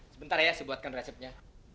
sebentar ya saya buatkan resepnya